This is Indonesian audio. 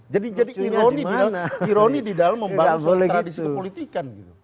jadi ironi di dalam membangun tradisi kepolitikan